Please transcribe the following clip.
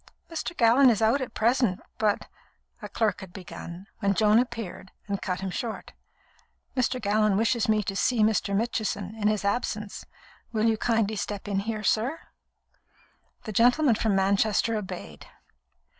"Mr. Gallon is out at present, but " a clerk had begun, when Joan appeared and cut him short. "Mr. Gallon wishes me to see Mr. Mitchison, in his absence. Will you kindly step in here, sir?" The gentleman from Manchester obeyed.